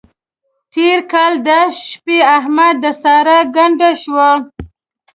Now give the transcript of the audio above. تېر کال دا شپې احمد د سارا ګنډه شو.